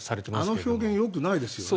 あの表現よくないですよね。